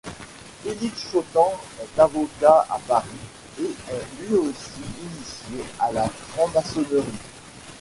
Félix Chautemps est avocat à Paris et est lui aussi initié à la franc-maçonnerie.